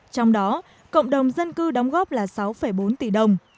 trong đó cộng đồng dân cư đóng góp là sáu bốn tỷ đồng